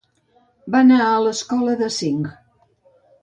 Va anar a l'escola de Sinj.